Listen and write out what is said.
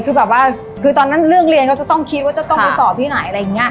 คือแบบว่าคือตอนนั้นเรื่องเรียนก็จะต้องคิดว่าจะต้องไปสอบที่ไหนอะไรอย่างนี้